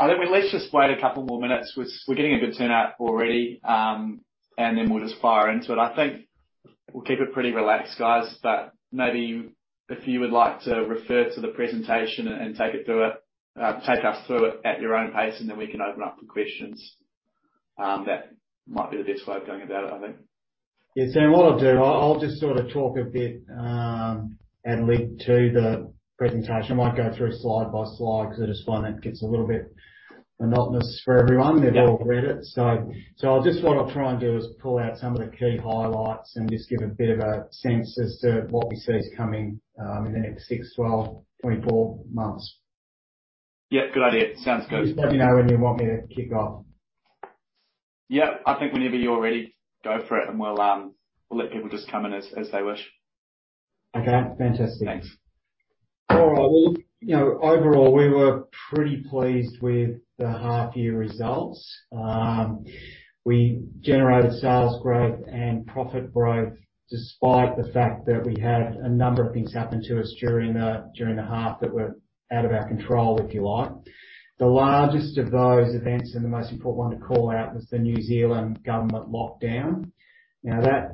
I think we at least just wait a couple more minutes. We're getting a good turnout already, and then we'll just fire into it. I think we'll keep it pretty relaxed, guys, but maybe if you would like to refer to the presentation and take us through it at your own pace, and then we can open up for questions, that might be the best way of going about it, I think. Yeah. What I'll do, I'll just sort of talk a bit, and link to the presentation. I might go through slide by slide because I just find that gets a little bit monotonous for everyone. Yeah. They've all read it. What I'll try and do is pull out some of the key highlights and just give a bit of a sense as to what we see is coming in the next six, 12, 24 months. Yep, good idea. Sounds good. Just let me know when you want me to kick off. Yeah. I think whenever you're ready, go for it, and we'll let people just come in as they wish. Okay. Fantastic. Thanks. All right. Well, you know, overall, we were pretty pleased with the half year results. We generated sales growth and profit growth despite the fact that we had a number of things happen to us during the half that were out of our control, if you like. The largest of those events and the most important one to call out was the New Zealand government lockdown. Now, that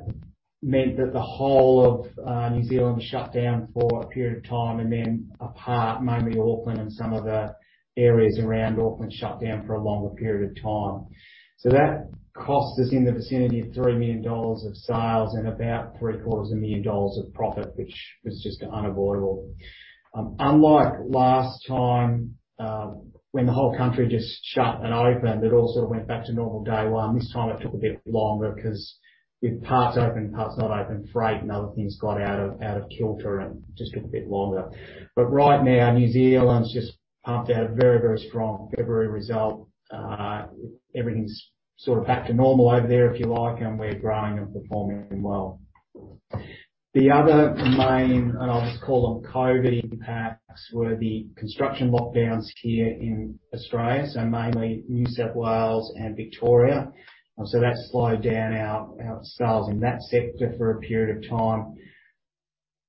meant that the whole of New Zealand shut down for a period of time, and then a part, mainly Auckland and some of the areas around Auckland, shut down for a longer period of time. That cost us in the vicinity of 3 million dollars of sales and about three-quarters of a million NZD of profit, which was just unavoidable. Unlike last time, when the whole country just shut and opened, it all sort of went back to normal day one. This time it took a bit longer because with parts open and parts not open, freight and other things got out of kilter and just took a bit longer. Right now, New Zealand's just pumped out a very, very strong February result. Everything's sort of back to normal over there, if you like, and we're growing and performing well. The other main, and I'll just call them COVID impacts, were the construction lockdowns here in Australia, so mainly New South Wales and Victoria. That slowed down our sales in that sector for a period of time.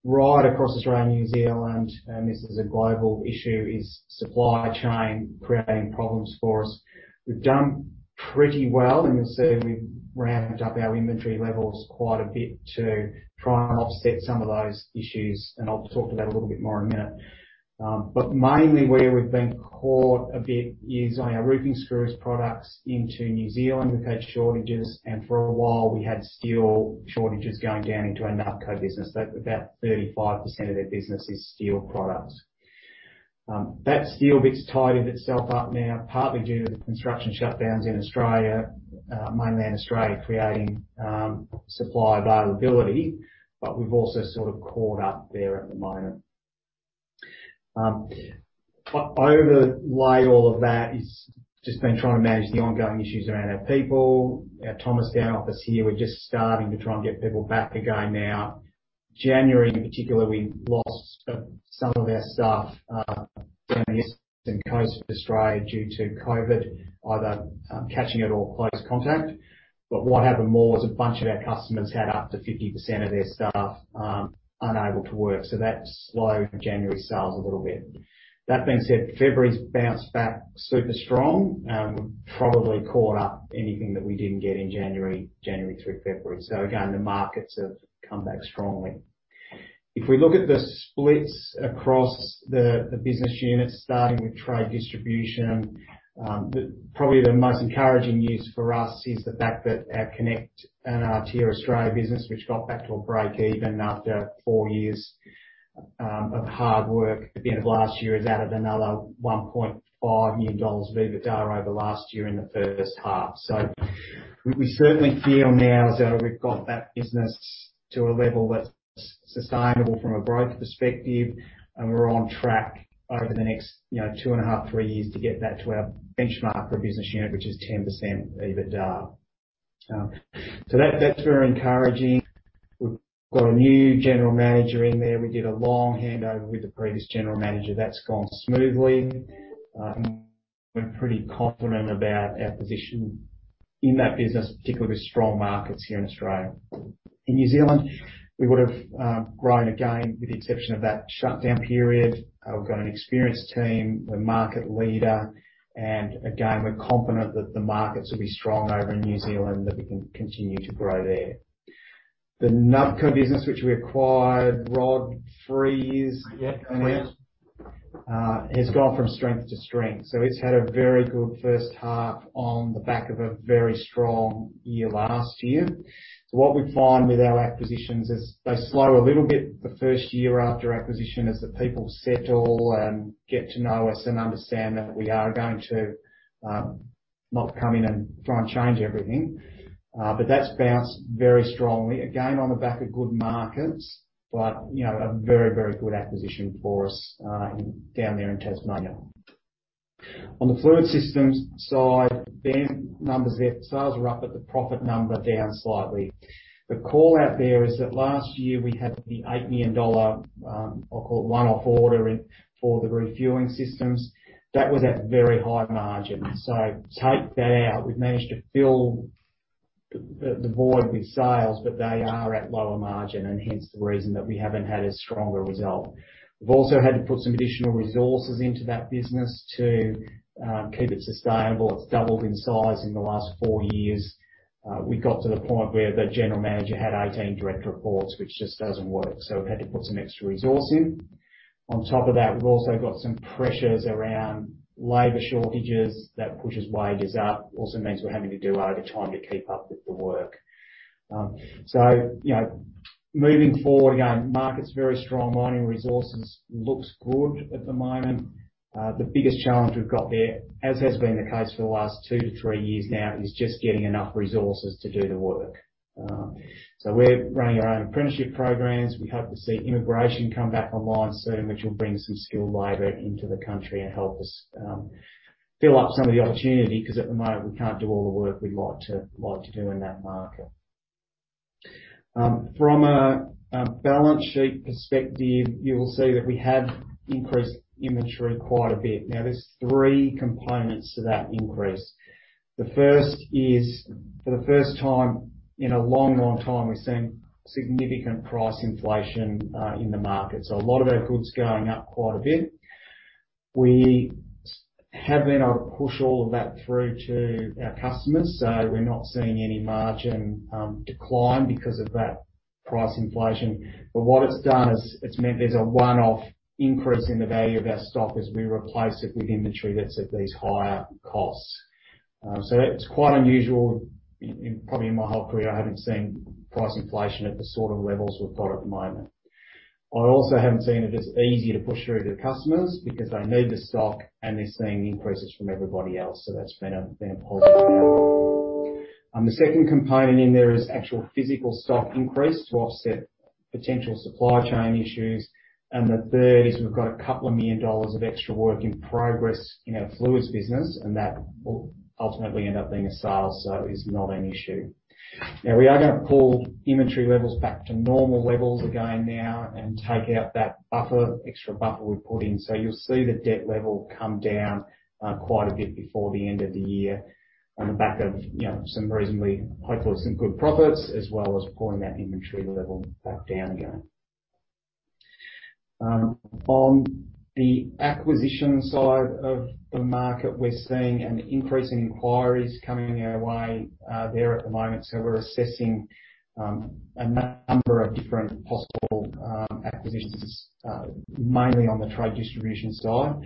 Right across Australia and New Zealand, and this is a global issue, is supply chain creating problems for us. We've done pretty well, and you'll see we've ramped up our inventory levels quite a bit to try and offset some of those issues. I'll talk about a little bit more in a minute. Mainly where we've been caught a bit is on our roofing screws products into New Zealand. We've had shortages, and for a while we had steel shortages going down into our Nubco business. About 35% of their business is steel products. That steel bit's tidied itself up now, partly due to the construction shutdowns in Australia, mainland Australia creating supply availability. We've also sort of caught up there at the moment. Overlay all of that is just been trying to manage the ongoing issues around our people. Our Thomastown office here, we're just starting to try and get people back again now. January in particular, we lost some of our staff down the eastern coast of Australia due to COVID, either catching it or close contact. What happened more was a bunch of our customers had up to 50% of their staff unable to work. That slowed January sales a little bit. That being said, February's bounced back super strong. We've probably caught up anything that we didn't get in January through February. Again, the markets have come back strongly. If we look at the splits across the business units, starting with Trade Distribution, probably the most encouraging news for us is the fact that our Konnect and Artia Australia business, which got back to breakeven after four years of hard work at the end of last year, has added another 1.5 million dollars of EBITDA over last year in the first half. We certainly feel now as though we've got that business to a level that's sustainable from a growth perspective, and we're on track over the next, you know, two and a half, three years to get that to our benchmark for a business unit, which is 10% EBITDA. That's very encouraging. We've got a new general manager in there. We did a long handover with the previous general manager. That's gone smoothly. We're pretty confident about our position in that business, particularly with strong markets here in Australia. In New Zealand, we would have grown again with the exception of that shutdown period. We've got an experienced team, we're market leader, and again, we're confident that the markets will be strong over in New Zealand, that we can continue to grow there. The Nubco business, which we acquired about three years- Yep. Has gone from strength to strength. It's had a very good first half on the back of a very strong year last year. What we find with our acquisitions is they slow a little bit the first year after acquisition as the people settle and get to know us and understand that we are going to not come in and try and change everything. That's bounced very strongly again on the back of good markets. You know, a very, very good acquisition for us down there in Tasmania. On the Fluid Systems side, the numbers there, sales are up but the profit number down slightly. The call out there is that last year we had the 8 million dollar, I'll call it one-off order in for the refueling systems. That was at very high margin. Take that out. We've managed to fill the board with sales, but they are at lower margin and hence the reason that we haven't had a stronger result. We've also had to put some additional resources into that business to keep it sustainable. It's doubled in size in the last four years. We got to the point where the general manager had 18 direct reports, which just doesn't work, so we've had to put some extra resource in. On top of that, we've also got some pressures around labor shortages that push wages up. It also means we're having to do overtime to keep up with the work. You know, moving forward, again, market's very strong. Mining resources look good at the moment. The biggest challenge we've got there, as has been the case for the last two-three years now, is just getting enough resources to do the work. We're running our own apprenticeship programs. We hope to see immigration come back online soon, which will bring some skilled labor into the country and help us fill up some of the opportunity, 'cause at the moment, we can't do all the work we'd like to do in that market. From a balance sheet perspective, you will see that we have increased inventory quite a bit. Now there's three components to that increase. The first is, for the first time in a long, long time, we're seeing significant price inflation in the market. A lot of our goods going up quite a bit. We have been able to push all of that through to our customers, so we're not seeing any margin decline because of that price inflation. What it's done is, it's meant there's a one-off increase in the value of our stock as we replace it with inventory that's at these higher costs. That's quite unusual. In probably my whole career, I haven't seen price inflation at the sort of levels we've got at the moment. I also haven't seen it as easy to push through to customers because they need the stock and they're seeing increases from everybody else, so that's been a positive outcome. The second component in there is actual physical stock increase to offset potential supply chain issues. The third is we've got a couple of million dollars of extra work in progress in our Fluid Systems business, and that will ultimately end up being a sale, so is not an issue. Now we are gonna pull inventory levels back to normal levels again now and take out that buffer, extra buffer we put in. You'll see the debt level come down quite a bit before the end of the year on the back of you know some reasonably, hopefully some good profits, as well as pulling that inventory level back down again. On the acquisition side of the market, we're seeing an increase in inquiries coming our way there at the moment, so we're assessing a number of different possible acquisitions mainly on the Trade Distribution side.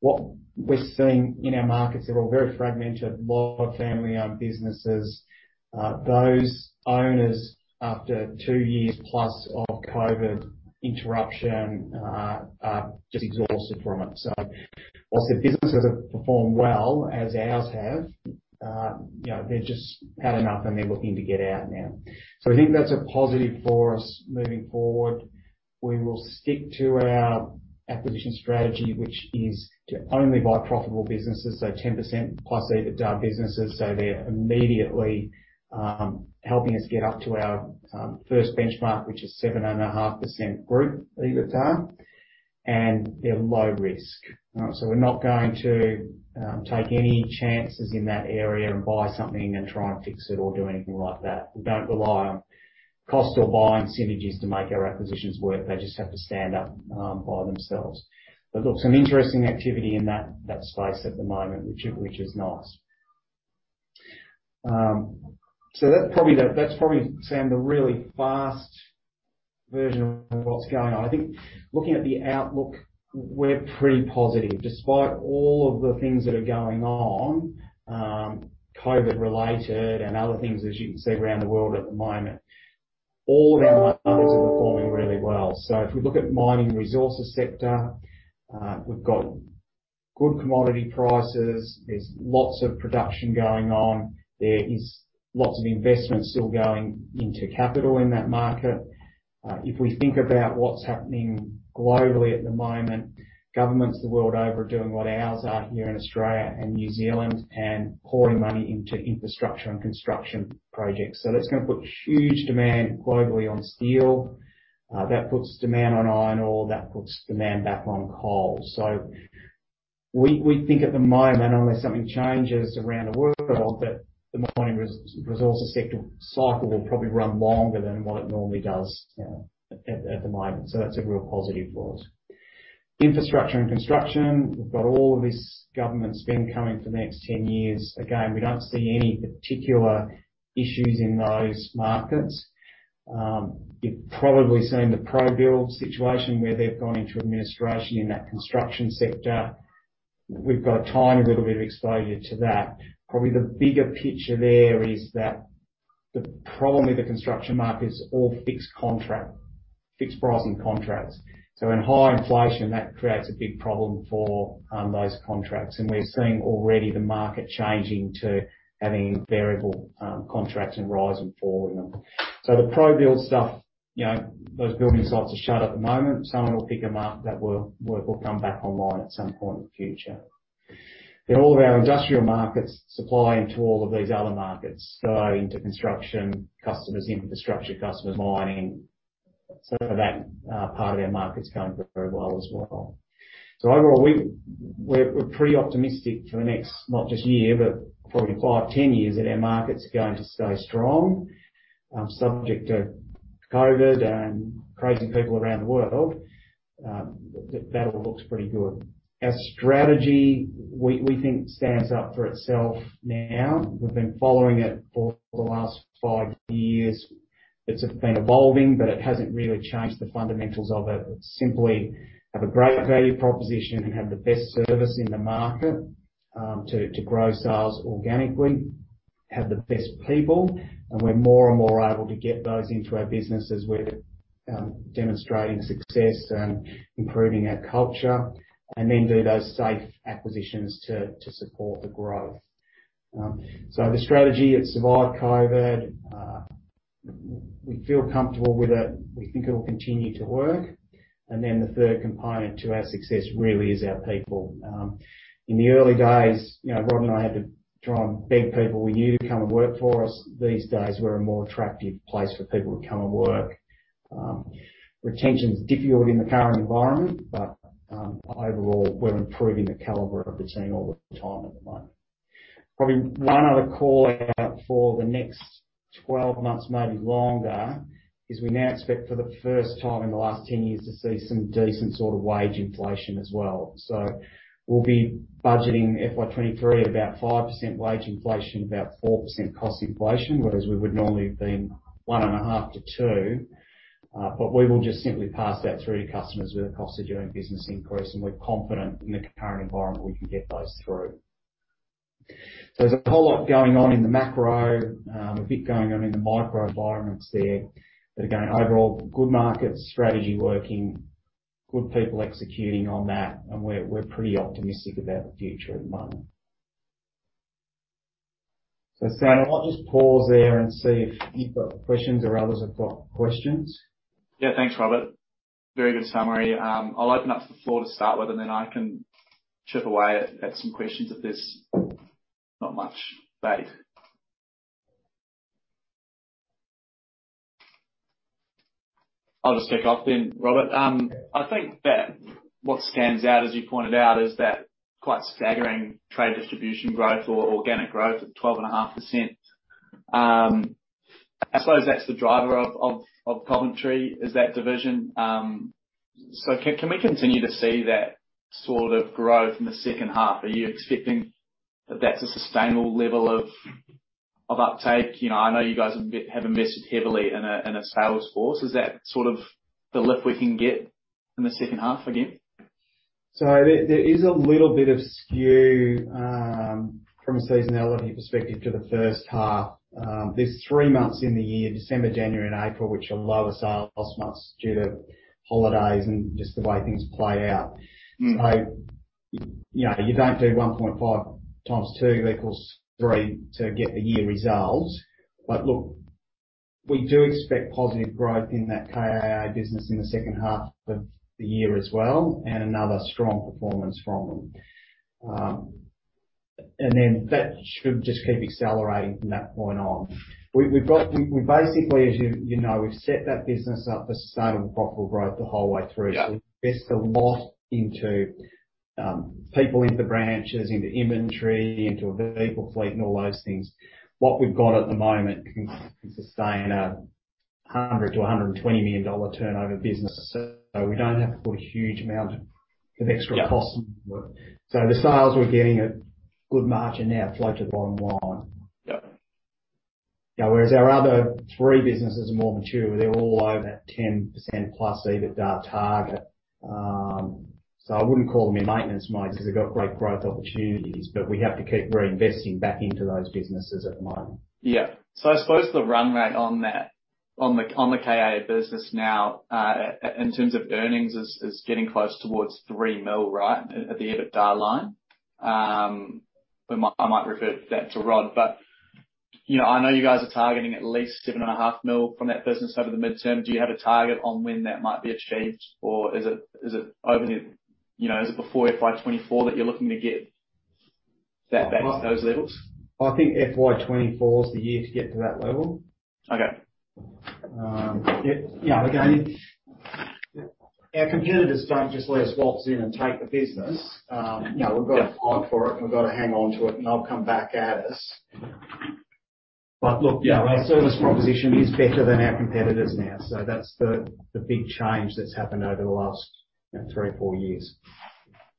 What we're seeing in our markets, they're all very fragmented, lot of family-owned businesses. Those owners, after two years plus of COVID interruption, are just exhausted from it. While their businesses have performed well, as ours have, you know, they've just had enough and they're looking to get out now. We think that's a positive for us moving forward. We will stick to our acquisition strategy, which is to only buy profitable businesses, so 10%+ EBITDA businesses. They're immediately helping us get up to our first benchmark, which is 7.5% group EBITDA, and they're low risk. We're not going to take any chances in that area and buy something and try and fix it or do anything like that. We don't rely on cost or buying synergies to make our acquisitions work. They just have to stand up by themselves. Look, some interesting activity in that space at the moment, which is nice. That's probably Sam, the really fast version of what's going on. I think looking at the outlook, we're pretty positive. Despite all of the things that are going on, COVID-related and other things as you can see around the world at the moment, all of our markets are performing really well. If we look at mining resources sector, we've got good commodity prices. There's lots of production going on. There is lots of investment still going into capital in that market. If we think about what's happening globally at the moment, governments the world over are doing what ours are here in Australia and New Zealand and pouring money into infrastructure and construction projects. That's gonna put huge demand globally on steel. That puts demand on iron ore, that puts demand back on coal. We think at the moment, unless something changes around the world, that the mining resource sector cycle will probably run longer than what it normally does at the moment. That's a real positive for us. Infrastructure and construction, we've got all of this government spend coming for the next 10 years. Again, we don't see any particular issues in those markets. You've probably seen the Probuild situation where they've gone into administration in that construction sector. We've got a tiny little bit of exposure to that. Probably the bigger picture there is that the construction market is all fixed contract, fixed pricing contracts. In high inflation, that creates a big problem for those contracts. We're seeing already the market changing to having variable contracts and rise and fall in them. The Probuild stuff, you know, those building sites are shut at the moment. Someone will pick 'em up. That work will come back online at some point in the future. All of our industrial markets supply into all of these other markets, so into construction customers, infrastructure customers, mining. That part of our market's going very well as well. Overall, we're pretty optimistic for the next, not just year, but probably five, 10 years, that our market's going to stay strong. Subject to COVID and crazy people around the world, that all looks pretty good. Our strategy, we think stands up for itself now. We've been following it for the last five years. It's been evolving, but it hasn't really changed the fundamentals of it. It's simply have a great value proposition and have the best service in the market, to grow sales organically. Have the best people, and we're more and more able to get those into our business as we're demonstrating success and improving our culture, and then do those safe acquisitions to support the growth. The strategy, it survived COVID. We feel comfortable with it. We think it will continue to work. The third component to our success really is our people. In the early days, you know, Rod and I had to try and beg people we knew to come and work for us. These days, we're a more attractive place for people to come and work. Retention's difficult in the current environment, but overall, we're improving the caliber of the team all the time at the moment. Probably one other callout for the next 12 months, maybe longer, is we now expect for the first time in the last 10 years to see some decent sort of wage inflation as well. We'll be budgeting FY 2023 at about 5% wage inflation, about 4% cost inflation, whereas we would normally have been 1.5%-2%. We will just simply pass that through to customers with a cost of doing business increase, and we're confident in the current environment we can get those through. There's a whole lot going on in the macro, a bit going on in the micro environments there, but again, overall, good market, strategy working, good people executing on that and we're pretty optimistic about the future at the moment. Sam, I might just pause there and see if you've got questions or others have got questions. Yeah, thanks, Robert. Very good summary. I'll open up to the floor to start with and then I can chip away at some questions if there's not much debate. I'll just kick off then, Robert. I think that what stands out, as you pointed out, is that quite staggering Trade Distribution growth or organic growth at 12.5%. I suppose that's the driver of Coventry, is that division. So can we continue to see that sort of growth in the second half? Are you expecting that that's a sustainable level of uptake? You know, I know you guys have invested heavily in a sales force. Is that, sort of, the lift we can get in the second half again? There is a little bit of skew from a seasonality perspective to the first half. There's three months in the year, December, January and April, which are lower sales months due to holidays and just the way things play out. Mm. You know, you don't do 1.5x two equals three to get the year results. Look, we do expect positive growth in that KA business in the second half of the year as well, and another strong performance from them. Then that should just keep accelerating from that point on. We basically, as you know, we've set that business up for sustainable profitable growth the whole way through. Yeah. We've invested a lot into people into branches, into inventory, into a vehicle fleet and all those things. What we've got at the moment can sustain 100 million-120 million dollar turnover business. We don't have to put a huge amount of extra costs. Yeah. The sales we're getting at good margin now flow to the bottom line. Yep. You know, whereas our other three businesses are more mature. They're all over that 10%+ EBITDA target. I wouldn't call them a maintenance mode because they've got great growth opportunities, but we have to keep reinvesting back into those businesses at the moment. Yeah. I suppose the run rate on that, on the KA business now, in terms of earnings is getting close towards 3 million, right, at the EBITDA line? I might refer that to Rod. You know, I know you guys are targeting at least 7.5 million from that business over the midterm. Do you have a target on when that might be achieved? Or is it over the, you know, is it before FY 2024 that you're looking to get that back to those levels? I think FY 2024 is the year to get to that level. Okay. Yeah. Again, our competitors don't just let us waltz in and take the business. You know, we've got to fight for it and we've got to hang on to it, and they'll come back at us. Look, you know, our service proposition is better than our competitors now. That's the big change that's happened over the last, you know, three or four years.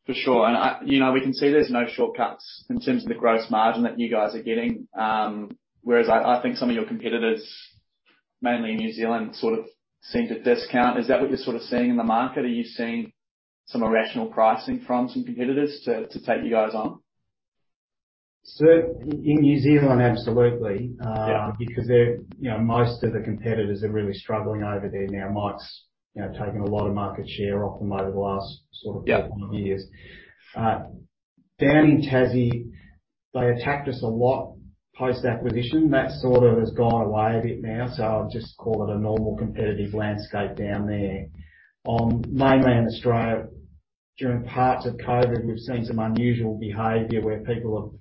For sure. You know, we can see there's no shortcuts in terms of the gross margin that you guys are getting. Whereas I think some of your competitors, mainly in New Zealand, sort of seem to discount. Is that what you're sort of seeing in the market? Are you seeing some irrational pricing from some competitors to take you guys on? In New Zealand, absolutely. Yeah. Because they're, you know, most of the competitors are really struggling over there now. Mike's, you know, taken a lot of market share off them over the last sort of couple of years. Yeah. Down in Tassie, they attacked us a lot post-acquisition. That sort of has gone away a bit now, so I'll just call it a normal competitive landscape down there. On mainland Australia during parts of COVID, we've seen some unusual behavior where people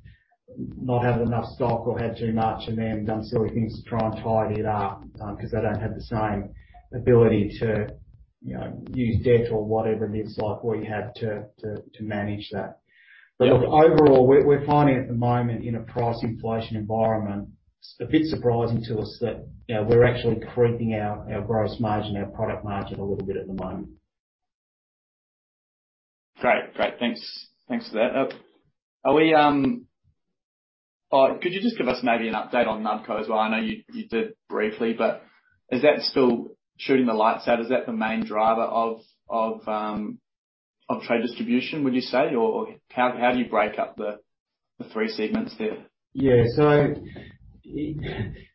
have not had enough stock or had too much, and then done silly things to try and tidy it up, because they don't have the same ability to, you know, use debt or whatever it is like we have to manage that. Yeah. Look, overall, we're finding at the moment in a price inflation environment, it's a bit surprising to us that, you know, we're actually creeping up our gross margin, our product margin a little bit at the moment. Great. Thanks for that. Or could you just give us maybe an update on Nubco as well? I know you did briefly, but is that still shooting the lights out? Is that the main driver of Trade Distribution, would you say? Or how do you break up the three segments there? The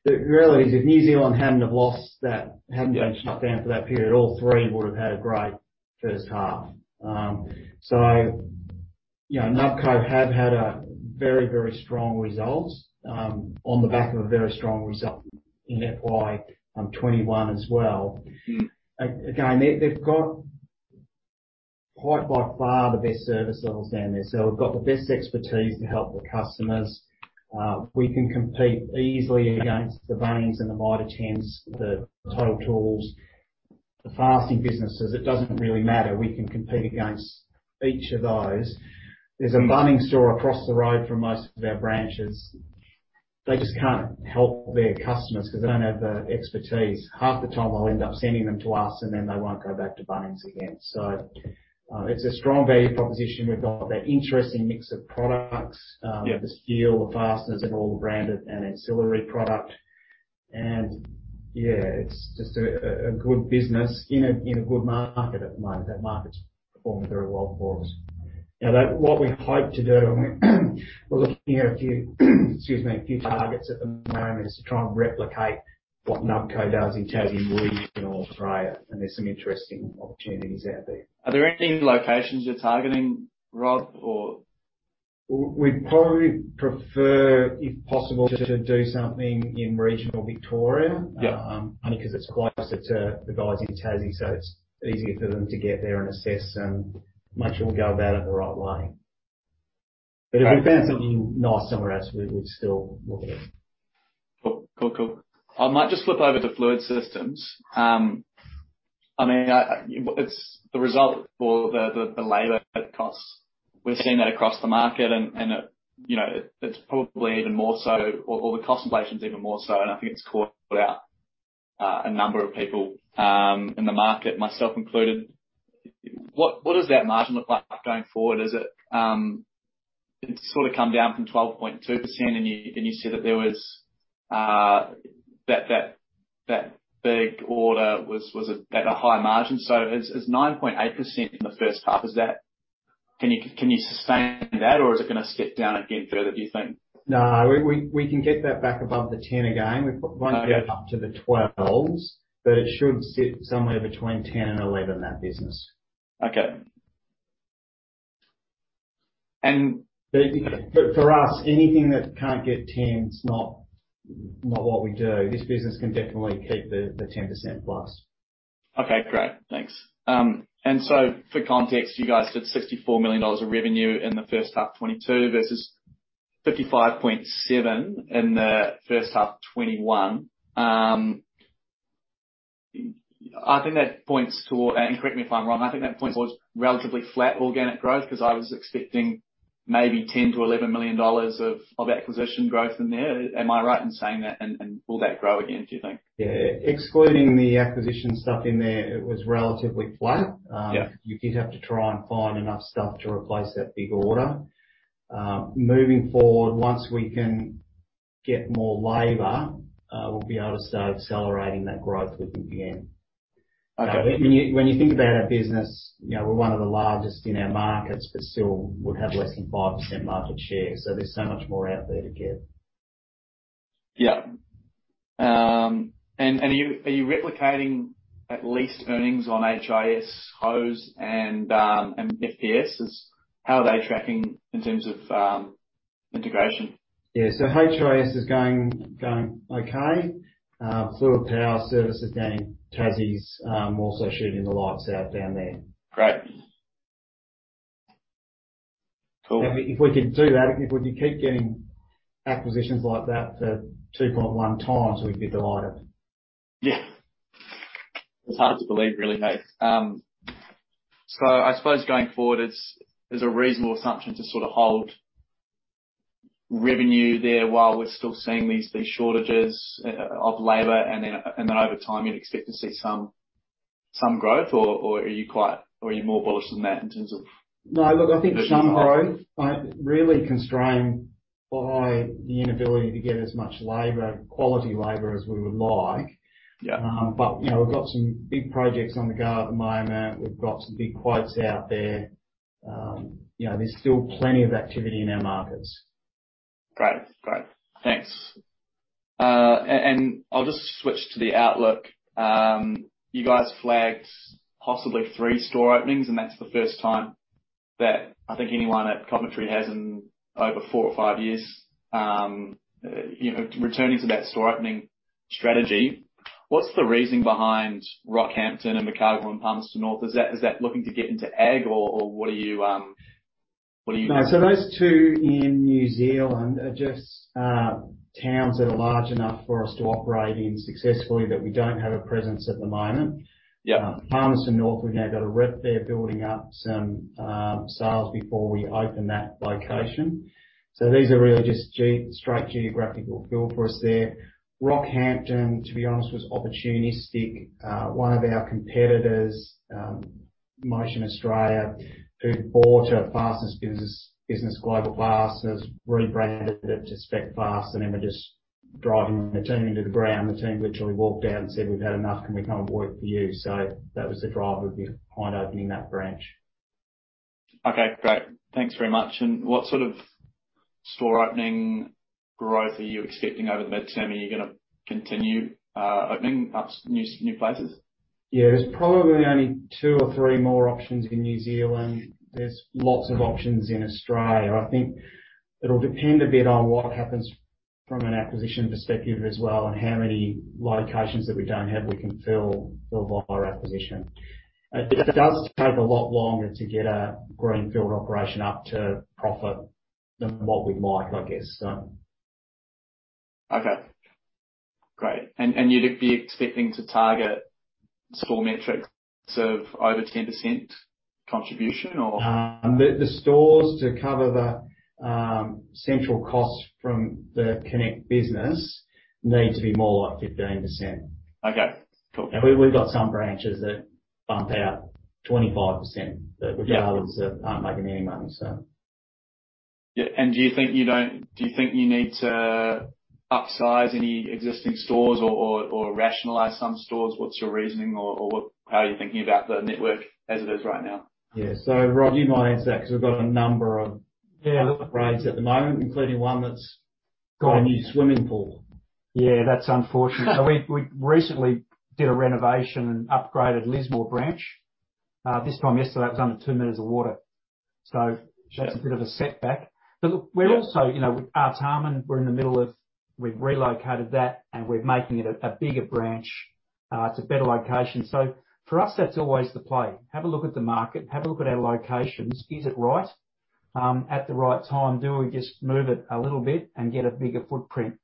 reality is, if New Zealand hadn't been shut down for that period, all three would have had a great first half. You know, Nubco have had very, very strong results on the back of a very strong result in FY 2021 as well. Mm-hmm. They've got quite by far the best service levels down there. We've got the best expertise to help the customers. We can compete easily against the Bunnings and the Mitre 10, the Total Tools, the fastening businesses. It doesn't really matter. We can compete against each of those. There's a Bunnings store across the road from most of our branches. They just can't help their customers because they don't have the expertise. Half the time they'll end up sending them to us, and then they won't go back to Bunnings again. It's a strong value proposition. We've got that interesting mix of products. Yeah. The steel, the fasteners and all the branded and ancillary product and, yeah, it's just a good business in a good market at the moment. That market's performing very well for us. What we hope to do, we're looking at a few targets at the moment, is to try and replicate what Nubco does in Tassie and Konnect in Australia, and there's some interesting opportunities out there. Are there any locations you're targeting, Rob, or? We'd probably prefer, if possible, to do something in regional Victoria. Yeah. Only because it's closer to the guys in Tassie, so it's easier for them to get there and assess and make sure we go about it the right way. Great. If we found something nice somewhere else, we would still look at it. Cool. I might just flip over to Fluid Systems. I mean, it's the result of the labor costs. We're seeing that across the market and, you know, it's probably even more so or the cost inflation is even more so and I think it's caught out a number of people in the market, myself included. What does that margin look like going forward? Is it. It's sort of come down from 12.2% and you said that there was that big order was at a high margin. Is 9.8% in the first half, is that. Can you sustain that or is it gonna step down again further, do you think? No. We can get that back above 10% again. We want to get it up to 12%, but it should sit somewhere between 10% and 11%, that business. Okay. For us, anything that can't get 10% is not what we do. This business can definitely keep the 10% plus. Okay, great. Thanks. For context, you guys did 64 million dollars of revenue in the first half 2022 versus 55.7 million in the first half 2021. I think that points toward relatively flat organic growth because I was expecting maybe 10 million-11 million dollars of acquisition growth in there. Am I right in saying that? Will that grow again, do you think? Yeah. Excluding the acquisition stuff in there, it was relatively flat. Yeah. You did have to try and find enough stuff to replace that big order. Moving forward, once we can get more labor, we'll be able to start accelerating that growth within the end. Okay. When you think about our business, you know, we're one of the largest in our markets, but still would have less than 5% market share. There's so much more out there to get. Are you replicating at least earnings on H.I.S. Hose and FPS? How are they tracking in terms of integration? Yeah. H.I.S. is going okay. Fluid Power Services down in Tassie is also shooting the lights out down there. Great. Cool. If we could do that, if we could keep getting acquisitions like that at 2.1x, we'd be delighted. Yeah. It's hard to believe, really, hey. I suppose going forward, it's a reasonable assumption to sort of hold revenue there while we're still seeing these shortages of labor and then over time, you'd expect to see some growth or are you more bullish than that in terms of- No. Look, I think some growth really constrained by the inability to get as much labor, quality labor as we would like. Yeah. you know, we've got some big projects on the go at the moment. We've got some big quotes out there. you know, there's still plenty of activity in our markets. Great. Thanks. And I'll just switch to the outlook. You guys flagged possibly three store openings, and that's the first time that I think anyone at Coventry has in over four or five years. You know, returning to that store opening strategy. What's the reasoning behind Rockhampton and Mackay and Palmerston North? Is that looking to get into Ag or what are you No. Those two in New Zealand are just towns that are large enough for us to operate in successfully, but we don't have a presence at the moment. Yeah. Palmerston North, we've now got a rep there building up some sales before we open that location. These are really just straight geographical build for us there. Rockhampton, to be honest, was opportunistic. One of our competitors, Motion Australia, who'd bought a fasteners business, Global Fasteners, rebranded it to SpecFast, and then were just driving the team into the ground. The team literally walked out and said, "We've had enough. Can we come and work for you?" That was the driver behind opening that branch. Okay, great. Thanks very much. What sort of store opening growth are you expecting over the mid-term? Are you gonna continue opening up new places? Yeah. There's probably only two or three more options in New Zealand. There's lots of options in Australia. I think it'll depend a bit on what happens from an acquisition perspective as well, and how many locations that we don't have we can fill via acquisition. It does take a lot longer to get a greenfield operation up to profit than what we'd like, I guess, so. Okay. Great. You'd be expecting to target store metrics of over 10% contribution or? The stores to cover the central costs from the Konnect business need to be more like 15%. Okay, cool. We've got some branches that bump out 25%. Yeah That, regardless, we aren't making any money, so. Yeah. Do you think you need to upsize any existing stores or rationalize some stores? What's your reasoning or how are you thinking about the network as it is right now? Yeah. Rod, you might answer that because we've got a number of upgrades at the moment, including one that's Got a new swimming pool. Yeah, that's unfortunate. We recently did a renovation and upgraded Lismore branch. This time yesterday it was under 2 meters of water. That's a bit of a setback. Look, we're also, you know, in Artarmon. We've relocated that, and we're making it a bigger branch. It's a better location. For us, that's always the play. Have a look at the market, have a look at our locations. Is it right? At the right time, do we just move it a little bit and get a bigger footprint?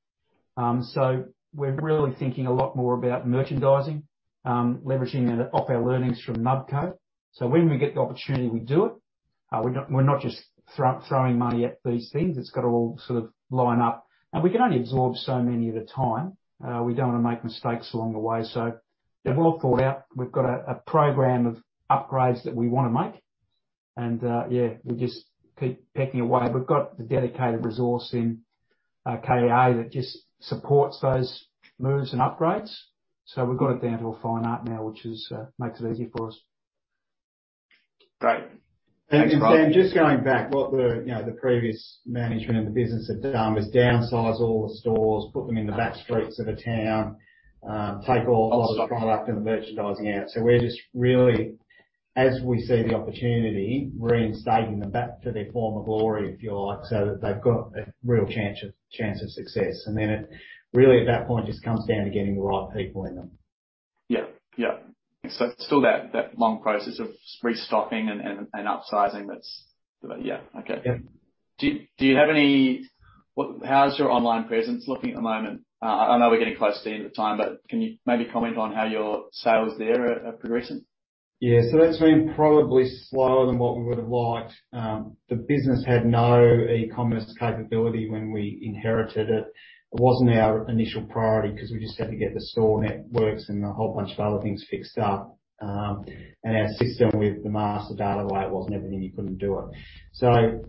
We're really thinking a lot more about merchandising, leveraging it off our learnings from Nubco. When we get the opportunity, we do it. We're not just throwing money at these things. It's got to all sort of line up. We can only absorb so many at a time. We don't want to make mistakes along the way. They're well thought out. We've got a program of upgrades that we wanna make. Yeah, we just keep pecking away. We've got the dedicated resource in KA that just supports those moves and upgrades. We've got it down to a fine art now, which makes it easier for us. Great. Thanks, Rob. Sam, just going back, what the previous management of the business had done was downsize all the stores, put them in the back streets of the town, take all the product and the merchandising out. We're just really, as we see the opportunity, reinstating them back to their former glory, if you like, so that they've got a real chance of success. Then it really at that point just comes down to getting the right people in them. Yeah. It's still that long process of restocking and upsizing that's. Yeah. Okay. Yeah. How's your online presence looking at the moment? I know we're getting close to the end of the time, but can you maybe comment on how your sales there are progressing? Yeah. That's been probably slower than what we would have liked. The business had no e-commerce capability when we inherited it. It wasn't our initial priority because we just had to get the store networks and a whole bunch of other things fixed up. Our system with the master data the way it was and everything, you couldn't do it.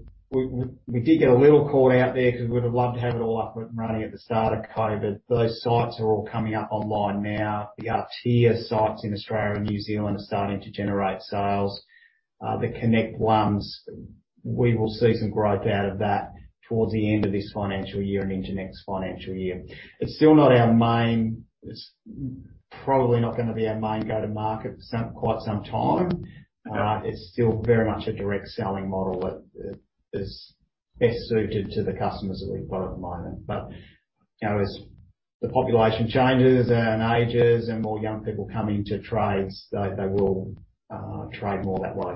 We did get a little caught out there because we would have loved to have it all up and running at the start of COVID. Those sites are all coming up online now. The Konnect sites in Australia and New Zealand are starting to generate sales. The Konnect ones, we will see some growth out of that towards the end of this financial year and into next financial year. It's still not our main... It's probably not gonna be our main go-to-market for some, quite some time. Okay. It's still very much a direct selling model that is best suited to the customers that we've got at the moment. You know, as the population changes and ages and more young people come into trades, they will trade more that way.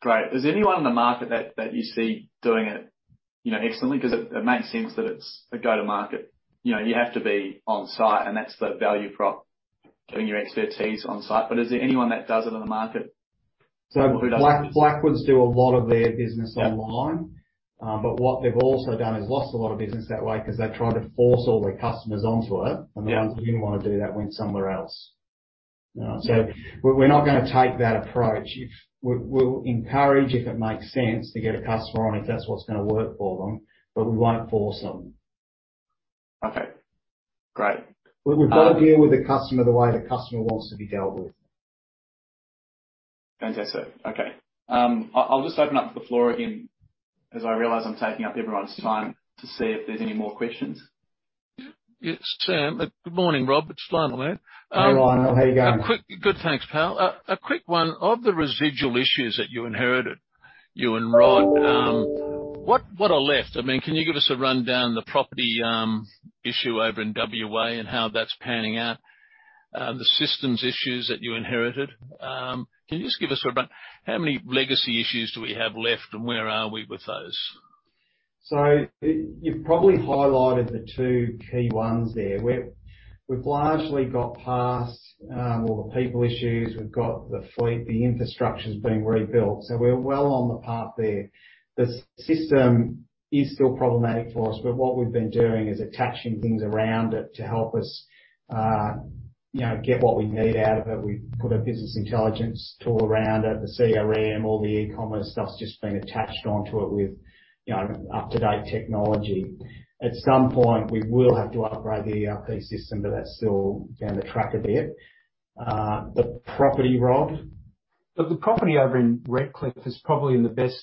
Great. Is there anyone in the market that you see doing it, you know, excellently? Because it makes sense that it's a go-to-market. You know, you have to be on site, and that's the value prop, bringing your expertise on site. Is there anyone that does it on the market? Blackwoods do a lot of their business online. What they've also done is lost a lot of business that way because they try to force all their customers onto it. Yeah. The ones that didn't want to do that went somewhere else. You know. Yeah. We're not gonna take that approach. We'll encourage, if it makes sense, to get a customer on it if that's what's gonna work for them, but we won't force them. Okay. Great. We've got to deal with the customer the way the customer wants to be dealt with. Fantastic. Okay. I'll just open up the floor again, as I realize I'm taking up everyone's time, to see if there's any more questions. Yes, Sam. Good morning, Rob. It's Lionel here. Hey, Lionel. How you going? Good, thanks, pal. A quick one. Of the residual issues that you inherited. You and Rod, what are left? I mean, can you give us a rundown on the property issue over in WA and how that's panning out? The systems issues that you inherited. Can you just give us how many legacy issues do we have left, and where are we with those? You've probably highlighted the two key ones there. We've largely got past all the people issues. We've got the fleet, the infrastructure's being rebuilt, so we're well on the path there. The system is still problematic for us, but what we've been doing is attaching things around it to help us, you know, get what we need out of it. We've put a business intelligence tool around it, the CRM, all the e-commerce stuff's just been attached onto it with, you know, up-to-date technology. At some point, we will have to upgrade the ERP system, but that's still down the track a bit. The property, Rod? Look, the property over in Redcliffe is probably in the best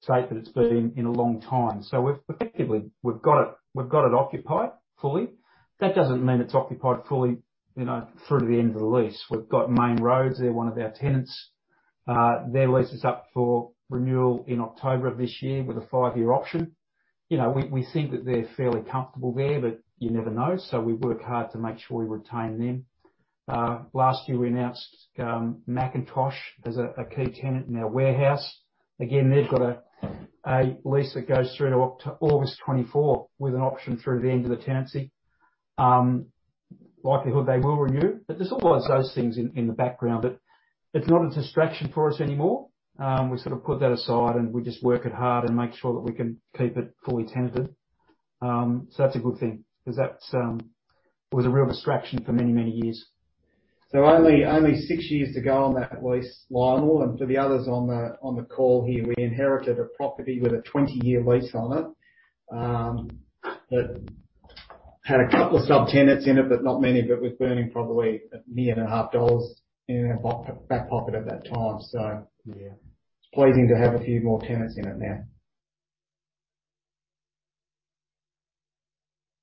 state that it's been in a long time. We've effectively got it occupied fully. That doesn't mean it's occupied fully, you know, through to the end of the lease. We've got Main Roads there, one of our tenants, their lease is up for renewal in October of this year with a five-year option. You know, we think that they're fairly comfortable there, but you never know, so we work hard to make sure we retain them. Last year we announced McIntosh as a key tenant in our warehouse. Again, they've got a lease that goes through to August 2024 with an option through the end of the tenancy. The likelihood they will renew. There's always those things in the background. It's not a distraction for us anymore. We sort of put that aside, and we just work it hard and make sure that we can keep it fully tenanted. That's a good thing 'cause that was a real distraction for many, many years. Only six years to go on that lease, Lionel. For the others on the call here, we inherited a property with a twenty-year lease on it that had a couple of subtenants in it, but not many, but was burning probably 1.5 million in our back pocket at that time. Yeah. It's pleasing to have a few more tenants in it now.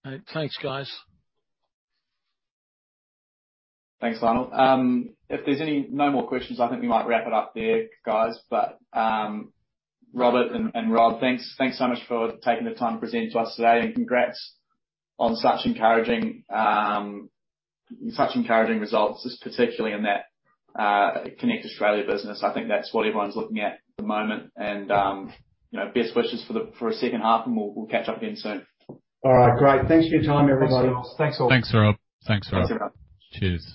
All right. Thanks, guys. Thanks, Lionel. No more questions, I think we might wrap it up there, guys. Robert and Rod, thanks so much for taking the time to present to us today. Congrats on such encouraging results, just particularly in that Konnect Australia business. I think that's what everyone's looking at at the moment. You know, best wishes for the second half, and we'll catch up again soon. All right, great. Thanks for your time, everybody. Thanks, guys. Thanks all. Thanks, Rob. Thanks, everyone. Cheers.